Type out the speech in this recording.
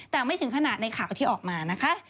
แต่ไม่ถึงขนาดในข่าวที่ออกมานะคะ